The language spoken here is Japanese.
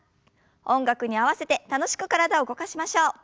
音楽に合わせて楽しく体を動かしましょう。